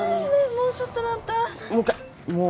もうちょっとだったもう一回もう